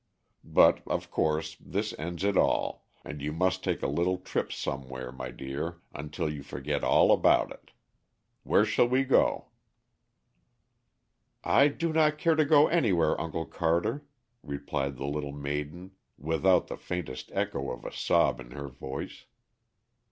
But, of course, this ends it all, and you must take a little trip somewhere, my dear, until you forget all about it. Where shall we go?" "I do not care to go anywhere, Uncle Carter," replied the little maiden, without the faintest echo of a sob in her voice.